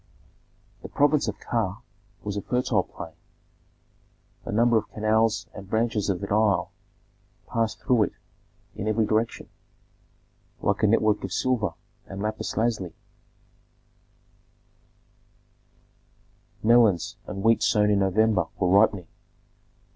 The province of Ka was a fertile plain. A number of canals and branches of the Nile passed through it in every direction, like a network of silver and lapis lazuli. Melons and wheat sown in November were ripening.